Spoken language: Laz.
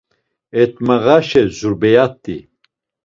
Etmağaşe, zurbeyat̆i.